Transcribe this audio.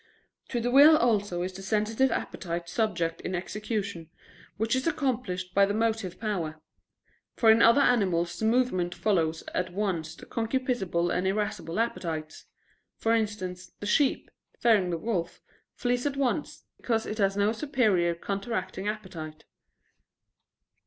To the will also is the sensitive appetite subject in execution, which is accomplished by the motive power. For in other animals movement follows at once the concupiscible and irascible appetites: for instance, the sheep, fearing the wolf, flees at once, because it has no superior counteracting appetite.